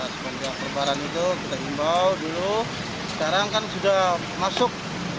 semenjak lebaran itu kita himbau dulu sekarang kan sudah masuk